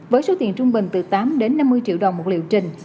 với số tiền trung bình từ tám đến năm mươi triệu đồng một liệu trình